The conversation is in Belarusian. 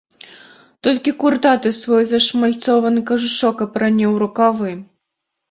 Толькі куртаты свой зашмальцованы кажушок апране ў рукавы.